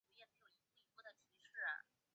朱见深命令交给御用监太监廖寿拉名下。